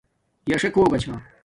یݳ سَݣ ہݸگݳ چھݳ.